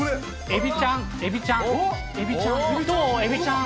エビちゃん、エビちゃん、エビちゃん。